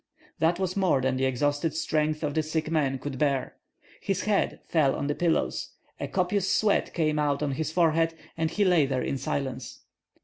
That was more than the exhausted strength of the sick man could bear. His head fell on the pillows, a copious sweat came out on his forehead, and he lay there in silence.